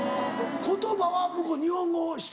言葉は向こう日本語知っ